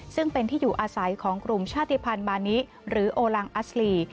ซึ่งเป็นที่อยู่อาศัยของกลุ่มชาติภัณฑ์มานิหรือโอลังอัสลี